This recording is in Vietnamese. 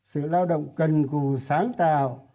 sự lao động cần cù sáng tạo